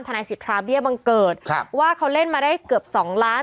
นายสิทธาเบี้ยบังเกิดครับว่าเขาเล่นมาได้เกือบสองล้าน